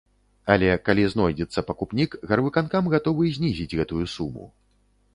Але калі знойдзецца пакупнік, гарвыканкам гатовы знізіць гэтую суму.